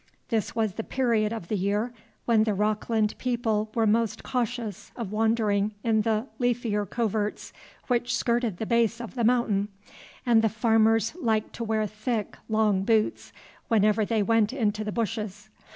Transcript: This was the period of the year when the Rockland people were most cautious of wandering in the leafier coverts which skirted the base of The Mountain, and the farmers liked to wear thick, long boots, whenever they went into the bushes.